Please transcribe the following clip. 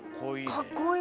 かっこいい！